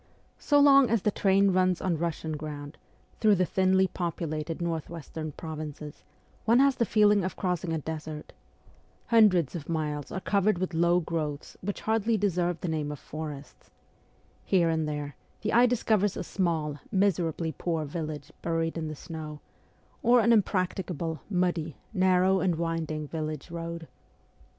So long as the train runs on Russian ground, through the thinly populated north western provinces, one has the feeling of crossing a desert. Hundreds of miles are covered with low growths which hardly deserve the name of forests. Here and there the eye discovers a small, miserably poor village buried in the snow, or an impracticable, muddy, narrow, and winding village road.